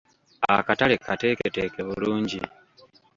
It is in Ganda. Akatale kateeketeeke bulungi.